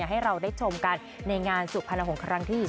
ให้เราได้ชมกันในงานสุพรรณหงษ์ครั้งที่๒